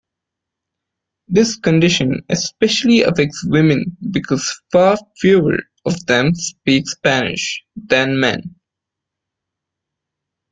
This condition especially affects women because far fewer of them speak Spanish than men.